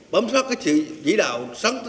bấm sót cái chỉ đạo